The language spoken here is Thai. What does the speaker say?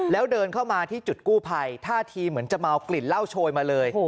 แล้วเดินเข้ามาที่จุดกู้ภัยท่าทีเหมือนจะเมากลิ่นเหล้าโชยมาเลย